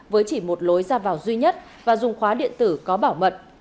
với chỉ một lối ra vào duy nhất và dùng khóa điện tử có bảo mật